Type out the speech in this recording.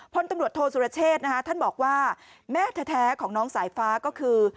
พลตำรวจโทษสุรเชษนะคะท่านบอกว่าแม่แท้ของน้องสายฟ้าก็คือ